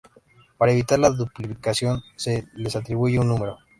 Para evitar la duplicación, se les atribuye un número.